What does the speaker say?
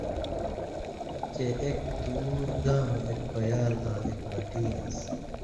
چے اک دُور گاں مہ ایک پیال آں ایک مٹی آن٘سیۡ۔